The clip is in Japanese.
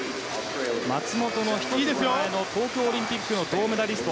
松元の１つ前東京オリンピックの銅メダリスト